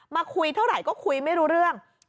คุยเท่าไหร่ก็คุยไม่รู้เรื่อง